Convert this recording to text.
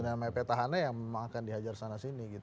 namanya petahannya yang memang akan dihajar sana sini gitu